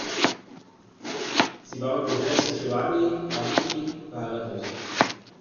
Sie war mit Professor Giovanni Arrighi verheiratet.